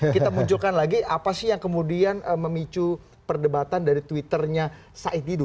kita munculkan lagi apa sih yang kemudian memicu perdebatan dari twitternya said didu